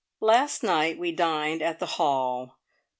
Last night we dined at the Hall.